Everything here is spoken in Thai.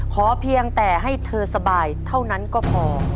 เพียงแต่ให้เธอสบายเท่านั้นก็พอ